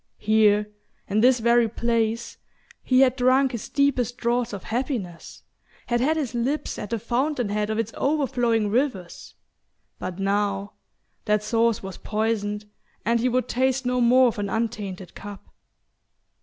Here, in this very place, he had drunk his deepest draughts of happiness, had had his lips at the fountain head of its overflowing rivers; but now that source was poisoned and he would taste no more of an untainted cup.